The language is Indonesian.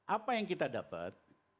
apa yang kita dapat